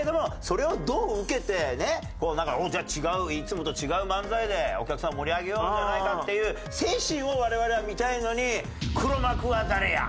じゃあ違ういつもと違う漫才でお客さんを盛り上げようじゃないかっていう精神を我々は見たいのに「黒幕は誰や！」